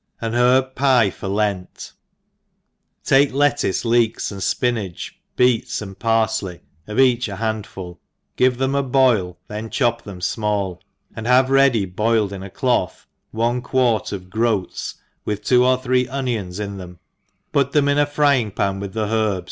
An Herb ?Yi, for Lent, TAKE lettuce, leeks, fpinnage, beets, and parfley, of each a handful, give them a boil, then chop them fmall, and have ready boiled in a cloth one quart of groats, with two or three onionis in them, put them in a frying pan with the herbs anil IJ4